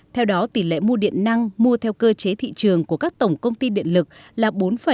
theo đó tỷ lệ mua điện năng mua theo cơ chế thị trường của các tổng công ty điện lực là bốn bốn mươi hai